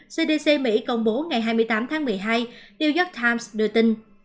cdc mỹ công bố ngày hai mươi tám tháng một mươi hai new york times đưa tin